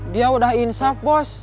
dia udah insaf bos